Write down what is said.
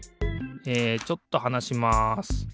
えちょっとはなします。